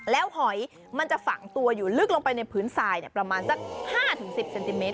แล้วหอยมันจะฝังตัวอยู่ลึกลงไปในพื้นทรายประมาณสัก๕๑๐เซนติเมต